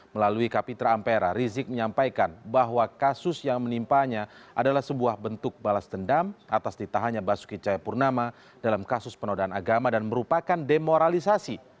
melalui kapitra ampera rizik menyampaikan bahwa kasus yang menimpanya adalah sebuah bentuk balas dendam atas ditahannya basuki cahayapurnama dalam kasus penodaan agama dan merupakan demoralisasi